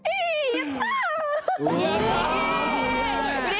やったー！